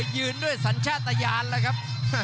ยืนด้วยสัญชาติยานแล้วครับ